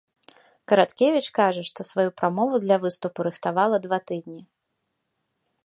Караткевіч кажа, што сваю прамову для выступу рыхтавала два тыдні.